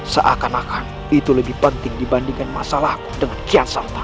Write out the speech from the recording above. seakan akan itu lebih penting dibandingkan masalahku dengan kian santan